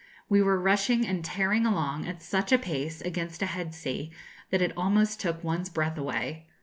We were rushing and tearing along at such a pace, against a head sea, that it almost took one's breath away.